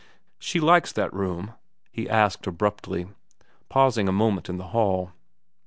' She likes that room ?' he asked abruptly, pausing a moment in the hall.